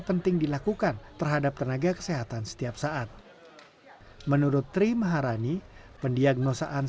penting dilakukan terhadap tenaga kesehatan setiap saat menurut tri maharani pendiagnosaan